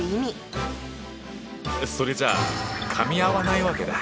それじゃあかみ合わないわけだ。